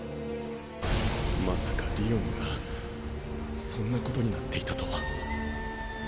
まさかりおんがそんなことになっていたとは。